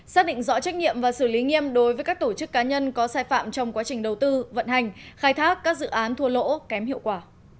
xác định rõ trách nhiệm và xử lý nghiêm đối với các tổ chức cá nhân có sai phạm trong quá trình đầu tư vận hành khai thác các dự án thua lỗ kém hiệu quả